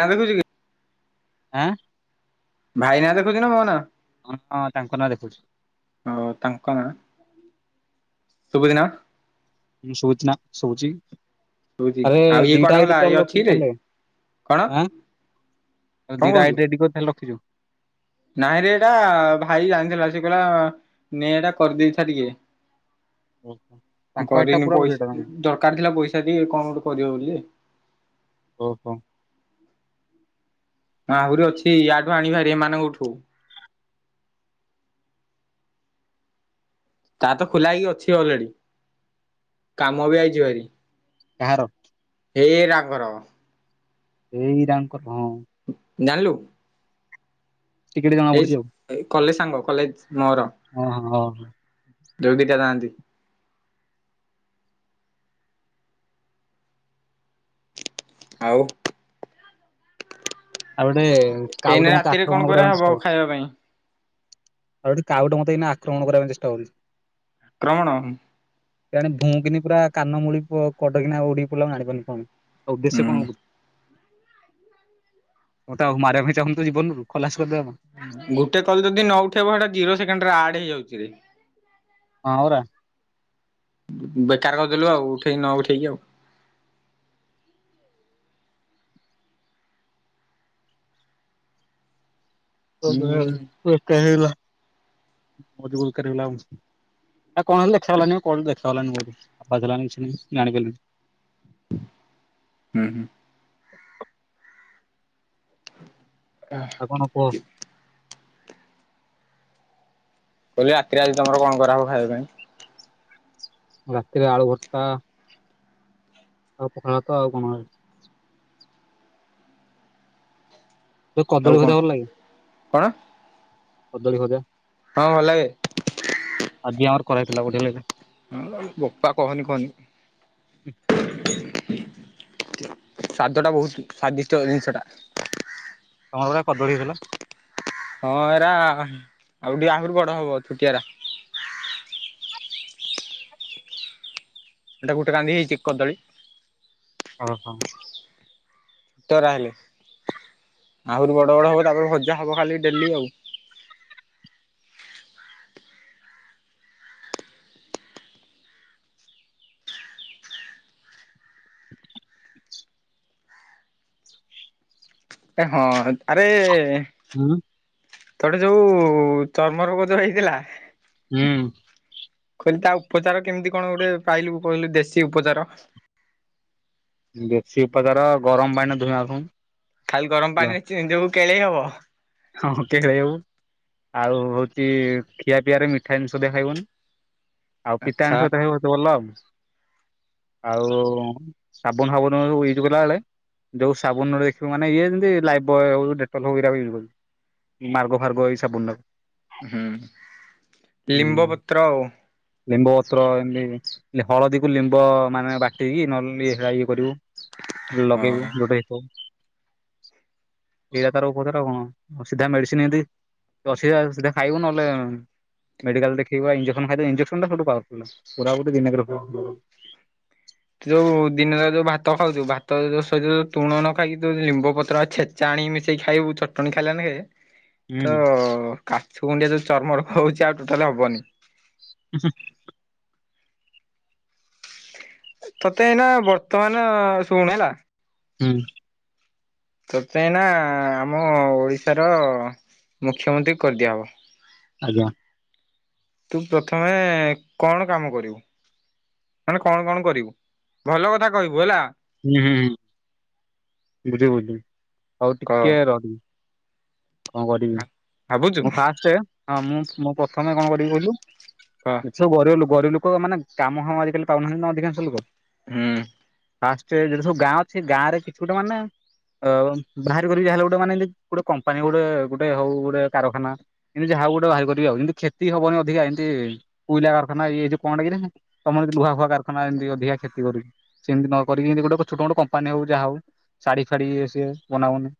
ନାଁ ଦେଖୁଛୁ କି? ଆଁ। ଭାଇ ନାଁ ଦେଖୁଛୁ ନା ମୋ ନାଁ। ହଁ ହଁ ତାଙ୍କ ନାଁ ଦେଖୁଛୁ। ଓ ତାଙ୍କ ନାଁ। ଶୁଭୁଚିନା। ମୁଁ ଶୁଭୁଚି ନା ଶୁଭୁଚି। ଶୁଭୁଛି ଆରେ ଆଉ ଇଏ ଦିଇଟା କୁଆଡେ ଆଇଡି ଗଲା ତ ଇଏ ଲୋକେ ଅଛିରେ କଲେ, କଣ ଆଁ? ଖାଲି କଣ ଦିଇଟା କହୁଛୁ ଆଇଡ଼ି ରେଡି କରି ତାହାଲେ ରଖିଛୁ। ନାଇଁରେ ଏଇଟା ଭାଇ ଆଣିଥିଲା ସେ କହିଲା ନେ ଏଟା କରିଦେଇଥା ଟିକେ। [inaudible] ମୁ ତାଙ୍କ ଆଇଡି ଟା କରିନି ପୁରା ପୁରି ଏଟା ପଇସା ଦରକାର ଥିଲା ପଇସା ଟିକେ କଣ ଗୋଟେ କରିବ ବୋଲି। ଓହୋ। ହଁ ଆହୁରି ଅଛି ୟାଠୁ ଆଣିବା ହେରି ଏମାନଙ୍କଠୁ। ତାର ତ ଖୋଲା ହେଇକି ଅଛି ଅଲରେଡି, କାମ ବି ଆଇଛି ଭାରି। କାହାର? ହେ ରାଘର। ଏଇରାଙ୍କର ହଁ। ଜାଣିଲୁ। ଟିକେ ଟିକେ ଜଣାପଡୁଛି ଆଉ। ଏ କଲେଜ୍ ସାଙ୍ଗ କଲେଜ୍ ମୋର। ହଁ, ହ। ଯୋଉ ଦିଇଟା ଯାଆନ୍ତି। ଆଉ। ଆଉ ଗୋଟେ କାଉ ଗୋଟେ ଏଇନା ମତେ ରାତିରେ ଆକ୍ରମଣ କଣ କରିବା କରା ପାଇଁ ଚେଷ୍ଟା ହବ ଆଉ କରୁଛି ଖାଇବା ପାଇଁ? ଆଉ ଗୋଟେ କାଉଟେ ମତେ ଏଇନା ଆକ୍ରମଣ କରିବା ପାଇଁ ଚେଷ୍ଟା କରୁଛି। ଆକ୍ରମଣ। କିଆଣି ଭୂଁ କିିନି ପୁରା କାନମୂଳି ପୁଅ କଡକିିନା ଉଡିିକି ପିଳେଇଲା ମୁ ଜାଣିପାରୁନି କଣ? ତା ଉଦ୍ଦେଶ୍ୟ କଣ ହ ହୁଁ ମତେ ଆଉ ମାରିବା ପାଇଁ ଚାହୁଁନି ତ ଜୀବନରୁ ଖଲାସ୍ କରିଦେବା ପାଇଁ। ଗୋଟେ କଲ୍ ଯଦି ନ ଉଠେଇବ ହେଟା ଜିରୋ ସେକେଣ୍ଡ୍ ରେ ଆଡ୍ ହେଇଯାଉଛି ରେ। ହଁ ପରା। ବେକାର କରିଦେଲୁ ଆଉ ଉଠେଇକି ନ ଉଠେଇକି ଆଉ। ହୁଁ ବେକାର ହେଇଗଲା, ଅଧି ବେକାର ଆଉ ଆ କଣ ହେଲେ ଦେଖାଗଲାନି ଆଉ କଲ୍ ଦେଖାଗଲାନିଆଉ ଦେଖାହେଲାନି କିଛି ନାଁ ଜାଣିପାରିଲିନି। ହୁଁ, ହୁଁ। ଆଉ କଣ କାହା କୁହ କହିଲି ରାତିରେ ଆଜି ତମର କଣ କରା ହବ ଖାଇବା ପାଇଁ? ରାତିରେ ଆଳୁ ଭର୍ତ୍ତା, ଆଉ ପଖାଳ ଭାତ ଆଉ କଣ ଯୋଉ ଆଉ କଦଳୀ କଣ ଭଜା ଭଲ ଲାଗେ। କଣ? କଦଳୀ ଭଜା। ହଁ ଭଲ ଲାଗେ। ଆଜି ଆମାର କରା ହେଇଥିଲା ଗୋଟେ ହେଲା କି। ବୋପା କହନି କହନି। ସ୍ଵାଦ ଟା ବହୁତ ସ୍ଵାଦିଷ୍ଟ ଜିନିଷ ଟା। ତମର ଗୁଟେ କଦଳୀ ହେଲା। ହଁ ଏରା ଆଉ ଟିକେ ଆହୁରି ବଡ ହବ ଛୁଟିଆ ରା ଏଇଟା ଗୋଟେ କାନ୍ଧି ହେଇଛି କଦଳୀ। ଓହୋ। ତରା ହେଲେ ଆହୁରି ବଡ ବଡ ହବ ତାପରେ ଭଜା ହବ ଖାଲି ଡେଲି ଆଉ। ହଁ ଆରେ। [inaudible] ତୋଟେ ଯୋଉ ଚର୍ମ ରୋଗ ଯୋଉ ହେଇଥିଲା। ହୁଁ। [unintelligible] ତା ଉପଚାର କେମ୍ତି କଣ ଗୋଟେ ପାଇଲୁ କହିଲୁ ଦେଶୀ ଉପଚାର? ବେଶୀ ଉପଚାର ଗରମ ପାଣି ରେ ଧୁଆଁ ହୁମ୍। ଖାଲି ଗରମ ପାଣିରେ ଚେ ଯୋଉ କେଳେଇ ହବ। ହଁ କେଳେଇ ହବୁ ଆଉ ହଉଛି ଖିଆ ପିଆ ରେ ମିଠା ଜିନିଷ ଦେ ଖାଇବନି। ଆଉ ଆଚ୍ଛା। ପିତାଙ୍କ ସହିତ ଏବେ ବୋହୁତୁ ଭଲ ଆଉ। ଆଉ ସାବୁନ୍ ଫାବୁନ୍ ୟୁଜ୍‌ କଲା ବେଳେ। ଯୋଉ ସାବୁନରେ ଦେଖିବୁ ମାନେ ଇଏ ଯେମିତି ଲାଇ ବୟ ହଉ ଡେଟ୍ଟଲ ହଉ ଏଇରା ବି ୟୁଜ କରୁ ମାର୍ଗ ଫାର୍ଗ ଏଇ ସାବୁନୁଟା। ହୁଁ ଲିମ୍ବ ପତ୍ର ଆଉ। ଲିମ୍ବ ପତ୍ର ଏମିତି ହଳଦୀକୁ ଲିମ୍ବ ମାନେ ବାଟିକି ନହେଲେ ହେରା ଇଏ କରିବୁ। ହଁ। ଲଗେଇବୁ [unintelligible] ସେଇଟା ତାର ଉପଚାର ଆଉ କଣ। ସିଧା ମେଡିସିନି ଏମିତି ବସିଆ ସିଧା ଖାଇବୁ ନହେଲେ ମେଡିକାଲ ଦେଖେଇବା ଏଞ୍ଜେକେସନ୍ ଖାଇବୋଵୁ ଇଞ୍ଜେ କେସନ୍ ସବୁଠୁ ପୱାରଫୁଲନେସେ ପୁରାପୁରି ଦିନରେ ଯୋଉ ଦିନରେ ଯୋଉ ଭାତ ଖାଉଛୁ ଭାତ ଶରୀର ରେ ତୁଣ ନ ଖାଇକି ଯୋଉ ଲିମ୍ବ ପତ୍ର ଆ ଛେ ଚାଣି ମିଶେଇ ଖାଇବୁ ଚଟଣି ଖାଇଲାନି ହେଁ। [inaudible] ତ କାଛୁ ଗୁଣ୍ଡିଆ ଯୋଉ ଚର୍ମରୋଗ ହୋଉଛି ଆଉ ଟୋଟାଲି ହବନି। ଉଁ ହୁଁ। ତତେ ଏଇନା ବର୍ତ୍ତମାନ ଶୁଣ ହେଲା। ହୁଁ। ତ କାହିଁ ନା ଆମ ଓଡିଶାର ମୁଖ୍ୟମନ୍ତ୍ରୀ କରିଦିଆହବ। ଆଜ୍ଞା। ତୁ ପ୍ରଥମେ କଣ କାମ କରିବୁ। ମାନେ କଣ କଣ କରିବୁ? ଭଲ କଥା କହିବୁ ହେଲା। ହୁଁ ବୁଝିମି ବୁଝିଦେମି ଆଉ କ ଟିକେ ରହିମି। କଁ କରିବି ଭାବୁଛୁ ମୁଁ ଫାଷ୍ଟେ ହଁ ମୁଁ ମୁଁ ପ୍ରଥମେ କଣ କରିବି କହୁିଲୁ। ହଁ। ଏଠି ସବୁ ଗରିବ ଲୋକ ଗରିବ ଲୋକ ମାନେ କାମ ଫାମ ଆଜିକାଲି ପାଉନାହାନ୍ତି ନା ଅଧିକାଂଶ ଲୋକ। ହୁଁ! ଫାଷ୍ଟ ଯଟି ସବୁ ଗାଁ ଅଛି ଗାଁରେ କିଛି ଗୋଟେ ମାନେ ଅ ବାହାର କରିବି ଯା ହେଲେ ଗୋଟେ ମାନେ ଏମିତି ଗୋଟେ କମ୍ପାନୀ ଗୋଟେ ଗୁଟେ ହଉ ଗୁଟେ କାରଖାନା। ଏମି ଯାହା ଗୋଟେ ବାହାର କରିିବ ଯେମ୍ତି କ୍ଷତି ହବନି ଅଧିକା ଏମ୍ତି କୋଇଲା ଖାନା ଇ ଯଉ କଣଟା କିରେ। ତମର ଯଦି ଲୁହାଖୁହା କଖାନ ଏମିତି ଅଧିକା କ୍ଷତି କରୁଛି ସେମିତି ନ କରି କରି ଗୋଟେ ଛୋଟ ମୋଟ କମ୍ପାନୀ ହଉ ଯାହା ହଉ ଶାଢୀ ଫାଢୀ ଇଏ ସିଏ ବନାବନି।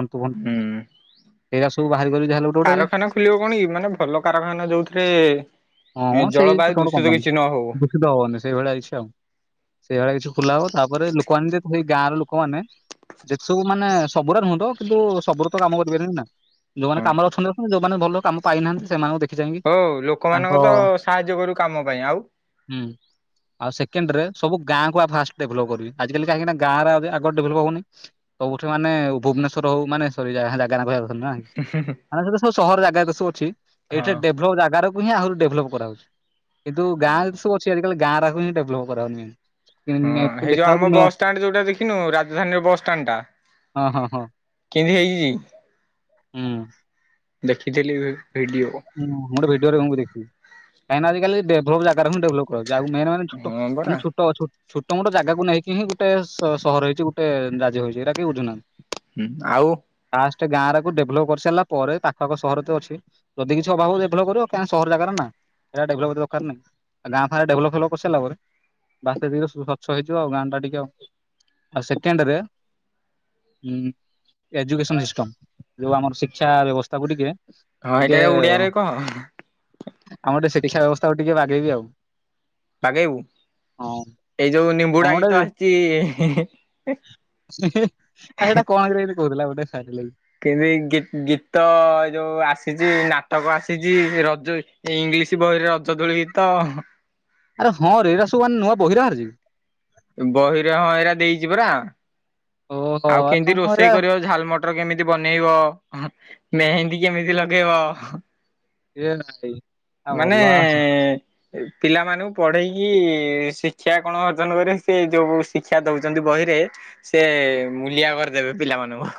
ଆଣ୍ଠୁ ପାଣ୍ଠୁ ହୁଁ ଏଇରା ସବୁ ବାହାରିକରିକି ଯାହା ହେଲେ କାରଖାନା ଖୋଲିବ କଣ କି ମାନେ ଭଲ କାରଖାନା ଯୋଉଥିରେ ହଁ ସେଇ ଜଳବାୟୁ ଛୋଟ ମୋଟ ଦୂଷିତ କମ୍ପାନୀ। କିଛି ନ ହଉ। ହବନି ସେଇଭଳିଆ କିଛି ଆଉ ସେଇଭଳିଆ କିଛି ଖୋଲା ହବ। ତାପରେ ଲୋକମାନେ ସେଇ ଗାଁ ର ଲୋକମାନେ ଦେଖିବୁ ସବୁ ମାନେ ସବୁୁର ନୁହଁ ତ କିନ୍ତୁ ସବୁୁର ତ କାମ କରିପାରିବିନି ନା। ଯୋଉମାନେ ହଁ କାମରେ ଅଛନ୍ତି ଅଛନ୍ତି ଯୋଉମାନେ ଭଲ କାମ ପାଇନାହାନ୍ତି ସେମାନଙ୍କୁ ଦେ ହୋ ଲୋକମାନଙ୍କ ତ ସାହାଯ୍ୟ କରିବୁ କାମ ପାଇଁ ଆଉ ହୁଁ ଆଉ ସେକେଣ୍ଡରେ ସବୁ ଗାଁ କୁ ଆ ଫାଷ୍ଟ ଡେଭଲପ କରିବି। ଆଜିକାଲି କାହିଁକି ଗାଁ ରେ ଆଗ ଡେଭଲପ ହଉନି। ସବୁଠି ମାନେ ଭୁବନେଶ୍ୱର ହଉ ମାନେ ସରି ଯାଗା ନା ଧରିବା କଥା ନୁହଁ ନା କି। ମାନେ ଯେତେ ସବୁ ସହର ଜାଗା ସବୁ ଅଛି, ଏଇଟା ହଁ ଡେଭଲପ ଜାଗାରକୁ ହିଁ ଆହୁରି ଡେଭଲପ୍ କରାହଉଛି। କିନ୍ତୁ ଗାଁ ଯେତେ ସବୁ ଅଛି ଆଜିିକାଲି ଗାଁ ରାକୁ ବି ଡେଭଲପ କରାହଉନି। ହଁ [inaudible] ହେଇ ଯୋଉ ଆମ ବସଷ୍ଟାଣ୍ଡ ଯୋଉଟା ଦେଖିନୁ ରାଜଧାନୀ ବସଷ୍ଟାଣ୍ଡ ଟା ହଁ ହଁ ହଁ [unintelligible] ହୁଁ ଦେଖିଥିଲି, ଭିଡ଼ିଓ। ହୁଁ ମୁଁ ଗୋଟେ ଭିଡିଓରେ ମୁଁ ବି ଦେଖିଥିଲି। କାଇଁନା ଆଜିକାଲି ଡେଭଲପ ଯାଗାରେ ହିଁ ଡେଭଲପ କରାଯାଉଛି। ଆଉ ମେନ ମେନ ନେ ଛୋଟ ହଁ ପରା ମାନେ ଛୋ ଟ ଛୋ ଛୋଟ ମୋଟ ଜାଗାକୁ ନେଇକି ହିଁ ଗୋଟେ ସ ସହର ହେଇଛି, ଗୋଟେ ରାଜ୍ୟ ହୋଇଛି ଏଇଟା କେହି ବୁଝୁନାହାନ୍ତି। ହୁଁ ଆଉ ଫାଷ୍ଟ ଗାଁ ରାକୁ ଡେଭଲପ କରିସାରିଲା ପରେ, ପାଖ ଆଖ ସହର ତ ଅଛି ଯଦି କିଛି ଅଭାବ ହବ ଡେଭଲପ କରିବ କା ସହର ଯାଗାଟାନା ଏଟା ଡେଭଲପ୍ ଏତେ ଦରକାର ନାଇ। ଆ ଗାଁ ଫାଁ ରେ ଡେଭଲପ ଫେଭଲପ କରିସାରିଲା ପରେ, ବାସ୍ତବିକ ସ୍ୱଚ୍ଛ ହେଇଯିବ ଆଉ ଗାଁ ଟା ଟିକେ ଆଉ ଆଉ ସେକେଣ୍ଡରେ ହୁଁ ଏଜୁକେସନ ସିଷ୍ଟମ, ଯୋଉ ଆମର ଶିକ୍ଷା ବ୍ୟବସ୍ଥାକୁ ଟିକେ ହଁ ଟିକେ ଏଇଟାରେ ଓଡିଆରେ କହ ଆମର ଟିକେ ଶିକ୍ଷା ବ୍ୟବସ୍ଥାକୁ ଟିକେ ବାଗେଇବି ଆଉ। ବାଗେଇବୁ, ହଁ ଏଇ ଯୋଉ କଣ ନିମ୍ବୁଡା ଗୀତ ଗୋଟେ ଆସଛି ଏହେ ଆରେ ଏଟା କଣ କିରେ ଗୋଟେ କହୁଥିଲା ଗୋଟେ [inaudible] କେମତି ଗୀ ଗୀତ ଯୋଉ ଆସିଛି, ନାଟକ ଆସିଛି ରଜ ଏ ଇଂଲିଶ ବହିରେ ରଜଦୋଳି ଗୀତ। ଆରେ ହଁ ରେ ଏରା ସବୁ ମାନେ ନୂଆ ବହିରେ ବାହାରିିଚି କି? ବହିରେ ହଁ ଏରା ଦେଇଛି ପରା। ଆଉ ଓହୋ କେମିତି ମୁଁ ଏରା ରୋଷେଇ କରିବ ଝାଲମ ଟର କେମିତି ବନେଇବ, ମେହେନ୍ଦୀ କେମିତି ଲଗେଇବ? ଏ ଭାଇ ଆ ମାନେ ଭଲ ଆଉ ପିଲାମାନଙ୍କୁ ପଢେଇକି ଶିକ୍ଷା କଣ ଅର୍ଜନ କରିବ, ସେ ଯୋଉ ଶିକ୍ଷା ଦଉଛନ୍ତି ବହିରେ ସିଏ ମୁଲିଆ କରିଦେବେ ପିଲାମାନଙ୍କୁ।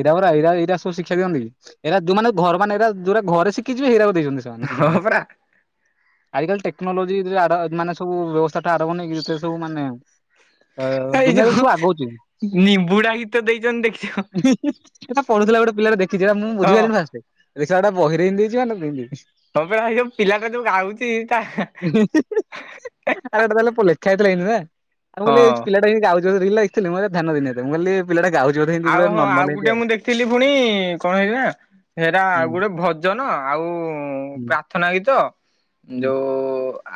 ଏରା ପୁରା ଏରା ଏଇଟା ସବୁ ଶିକ୍ଷା ଦିଅନ୍ତି କି? ଏରା ଯୋଉମାନେ ଘର ମାନେ ଏରା ଯୋରା ଘରେ ଶିଖିଯିବେ ହେରକୁ ଦେଇଛନ୍ତି ସେ। ତା ମାନେ ହଁ ପରା ଆଜି କାଲି ଟେକ୍ନୋଲୋଜି ଆଡ ମାନେ ସବୁ ବ୍ୟବସ୍ଥାଟା ଆରମ୍ଭ ନେଇକି ସେ ସବୁ ମାନେ ଦୁନିଆରେ ଏଇଯୋଉ ସବୁ ଆଗଉଛି। ନିମ୍ବୁଡା ଗୀତ ଦେଇଛନ୍ତି ଦେଖିଛ? ଏଟା ପଢୁଥିଲା ଗୋଟେ ପିଲାଟେ ଦେଖିଛି, ଏଟା ମୁଁ ହଁ। ବୁଝିପାଇଲିନି ଫାଷ୍ଟେ। ଦେଖିଲା ସେଟା ବହିରେହିଁ ଦେଇଛି ମାନେ [inaudible] [inaudible] ପିଲାଟା ଯୋଉ ଗାଉଛି ତା ଆରେ ଏଇଟା ତାହାଲେ ଲେଖା ହେଇଥିଲା ଏନ୍ତି ନା। ଆ ମୁଁ କହିଲି ଏଇ ହଁ ପିଲାଟା ହିଁ ଗାଉଚି ବୋଧେ ରିଲ୍ ରେ ଏଥିଲି ମୁଁ ଏରା ଧ୍ୟାନ ଦେଇନି ଏତେ। ତ ମୁଁ କଇଲି ପିଲାଟା ଗାଉଛି ବୋଧେ ହେନ୍ତି ଆଉ ହଁ ଆଉ ଗୁଟେ ମୁଁ ଦେଖିଥିଲି ପୁଣି କଣ ହେରା ହେରା ହୁଁ ଗୋଟେ ଭଜନ ଆଉ ହୁଁ। ପ୍ରାର୍ଥନା ଗୀତ ହୁଁ ଯୋଉ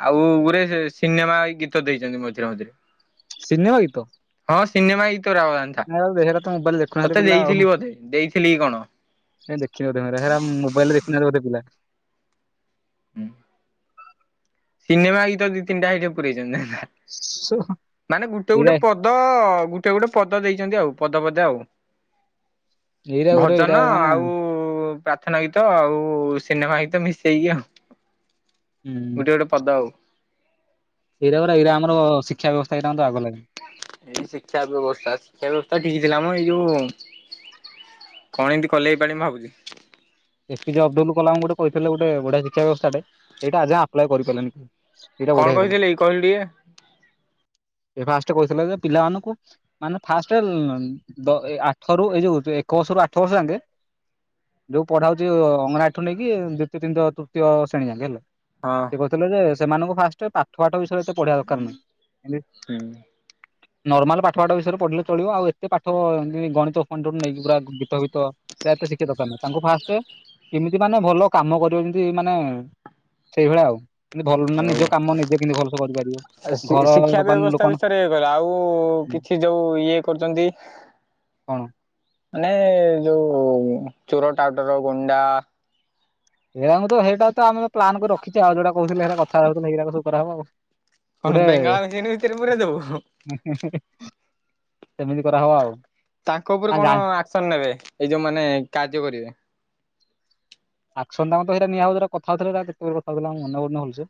ଆଉ ଗୁରେ ସିନେମା ଗୀତ ଦେଇଛନ୍ତି ମଝିରେ ମଝିରେ ସିନେମା ଗୀତ ହଁ ସିନେମା ଇତ ରା ହବା ଅନ୍ଥା। ହଁ ଦେହର ତୋ ମୋବାଇଲେଟେ ତତେ ଦେଇଥିଲି ବୋଧେ ଦେଇଥିଲି କି କଣ। ଦେଖିନିବଧେ ତମେ ହେରା ମୋବାଇଲ ଦେଖୁନାହିଁ ବଧେ ପିଲା। ହୁଁ। ସିନେମା ଗୀତ ଦି ତିନିଟା ହେଇଟି ପୁରେଇଛନ୍ତି ନା ନା ମାନେ ଗୋଟେ ଏଇରା ଗୋଟେ ପ ଦ ଗୁଟେ ଗୁଟେ ପଦ ଦେଇଛନ୍ତି ଆଉ ପଦ ପଦେ ଆଉ। ଏଇରା ଗୋଟେ ଏଇରା ଭଜନ ମାନେ ହୁଁ ଆଉ ପ୍ରା ର୍ଥନା ଗୀତ ଆଉ ସିନେମା ଗୀତ ମିଶେଇକି ଆଉ। ହୁଁ। କେଡେ ପଦ ଆଉ। ଏଇରା ଗଡା ଏଇରା ଆମର ଶିକ୍ଷା ବ୍ୟବସ୍ଥା ଏଇଟା ମଧ୍ୟ ଆଉ ଗଲାନି। ଏଇ ଶିକ୍ଷା ବ୍ୟବସ୍ଥା ଶିକ୍ଷା ବ୍ୟବସ୍ଥା ଠିକି ଥିଲା ମ ଏଇ ଯୋଉ କଣ ଏମିତି କଲେ ଏ ପାଳି ମୁ ଭାବୁଛି। ଏ ପିଜେ ଅବଦୁଲ କଲାମ ଗୋଟେ କହିଥିଲେ ଗୋଟେ ବଢିଆ ଶିକ୍ଷା ବ୍ୟବସ୍ଥା ଟେ ଏଇଟା ଆଜ ଯାଏ ଆପ୍ଲା କରିପାରିଲେନି କେହି। ଏଇଟା କଣ ବଢ଼ିଆ ହେଇଥିଲା କହିଥିଲି କହିଲୁ ଟିକେ ଏ ଫାଷ୍ଟ କହିଥିଲା ଯେ ପିଲାମାନଙ୍କୁ ମାନେ ଫାଷ୍ଟ ଦ ଆଠ ରୁ ଏଇ ଯୋଉ ଏକ ବର୍ଷ ରୁ ଆଠ ବର୍ଷ ଯାଙ୍କେ ପଢାହଉଛି ଅଙ୍ଗନବାଡ଼ି ଠୁ ନେଇକି ଦ୍ୱିତୀୟ ତିନିଥ ତୃତୀୟ ଶ୍ରେଣୀ ଯାକେ ହେଲା। ହଁ। ସେ କହୁଥିଲେ ଯେ ସେମାନଙ୍କୁ ଫାଷ୍ଟ ପାଠ ପାଠ ବିଷୟରେ ଏତେ ପଢିବା ଦରକାର ନାହିଁ ଏମତି ହୁଁ। ନରର୍ମାଲ ପାଠ ପାଠ ବିଷୟରେ ପଢିଲେ ଚଳିବ ଆଉ ଏତେ ପାଠ ଏମିତି ଗଣିତ ଫଣିତ ନେଇକି ପୁରା ଗୀତ ଫିତ ସେ ଏତେ ଶିଖିବାଦରକାର ନାହିଁ ତାଙ୍କୁ ଫାଷ୍ଟ କେ କେମିତି ମାନେ ଭଲ କାମ କରିବ ଯେମିତି ମାନେ ସେଇଭଳିଆ ଆଉ। କିମତି ଭଲ ମାନେ ନିଜ ହଉ। କାମ ନିଜେ କେମତି ଭଲସେ କରିପାରିବେ ଘର ଶିକ୍ଷା ବାନ ଲୋକମାନୁ ସେ ଯୋଉ ଇଏ କରୁଛନ୍ତି କଣ? ମାନେ ଯୋଉ ଚୁର, ଟାଉଟର, ଗୁଣ୍ଡା ଏରାଙ୍ଗୁ ତ ହେଇଟା ତ ଆମେ ତ ପ୍ଲନ୍ କରି ରଖିଚେ ଆଉ ଯୋଉଟା କହୁଥିଲେ ହେରା କଥା ହଉଥିଲେ ହେରା ସବୁ କରହବା। ହଁ ବେଙ୍ଗାଳ କିଣି ଭିତରେ ପୁରେଇଦବୁ। ସେମିତି କରା ହବ ଆଉ। ତାଙ୍କ ଉପରେ କଣ ଆକ୍ସନ ନେବେ ଏଇ ଯୋଉମାନେ କାର୍ଯ୍ୟ କରିବେ? ଆକ୍ସନ ତମତ ସେଟା ନିଆ ହବ ସେଟା କଥା ହଉଥିଲେ ସେଇଟା କେତବେ କଥାଉଥିଲା ମନେ ପଡୁନି ଭଲସେ।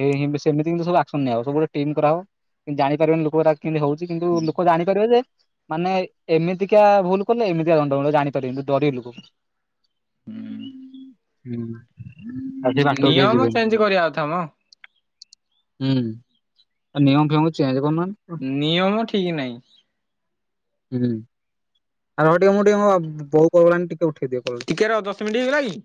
ହେଇ ସେମତିି ସବୁ ଆକ୍ସନ ନିଆ ହବ ସବୁ ବେଳେ ଟିମ୍ କରାହେବ କିନ୍ତୁ ଜାଣିପାରିବେନି ଲୋକଗୁରା କିମତି ହଉଛି କିନ୍ତୁ ଲୋକ ଜାଣିପାରିବେ ଯେ ମାନେ ଏମିତିକା ଭୁଲ କଲେ ଏମିତିକା ଦଣ୍ଡ ମିଳେ ଜାଣିପାରିବେନି କିନ୍ତୁ ଡରିବେ ଲୋକ। ହୁଁ। ଆଉ ସେ ବାଟକୁ କେହି ନିୟମ ଯିବେନି ଚେଞ୍ଜ କରିବା କଥା ମ। ହୁଁ ନିୟମ ଫେମ ଚେଞ୍ଜ କରୁ ନାହାନ୍ତି। ନିୟମ ଠିକ ନାହିଁ। ହୁଁ। ଆରେ ହ ଟିକେ ମୁଁ ଟିକେ ମୋ ବୋଉ କଲ କଲାଣି ଟିକେ ଉଠେଇ ଦିଏ କଲ ଟା। ଟିକେ ରହ ଦଶ ମିନିଟି ହେଇଗଲା କି?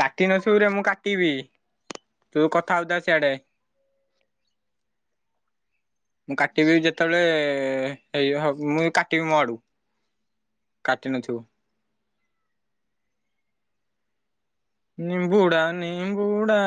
କାଟି ନଥିବୁରେ ମୁଁ କାଟିବି ତୁ କଥା ହଉଥା ସିଆଡେ। ମୁଁ କାଟିବି ଯେତେବେଳେ ହେଇ ହୋ ମୁଁ ଏ କାଟିବି ମୋ ଆଡୁ। କାଟି ନଥିବୁ। ନିମ୍ବୁଡା ନିମ୍ବୁଡା